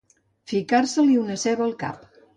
Ficar-se-li una ceba al cap.